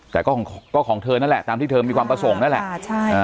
แต่ก็ของเธอนั่นแหละตามที่เธอมีความประสงค์นั่นแหละ